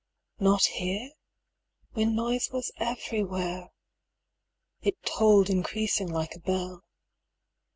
Not hear? when noise was everywhere! it tolled Increasing like a bell.